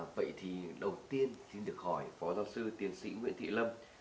vậy thì đầu tiên xin được hỏi phó giáo sư tiến sĩ nguyễn thị lâm